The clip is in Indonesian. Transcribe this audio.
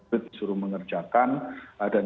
disuruh mengerjakan dan